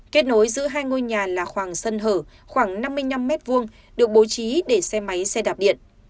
kết nối giữa hai ngôi nhà là khoảng sân hở khoảng năm mươi năm m hai được bố trí để xe máy xe đạp điện